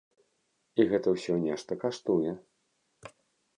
І гэта ўсё нешта каштуе.